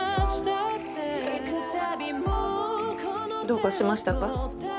どうかしましたか？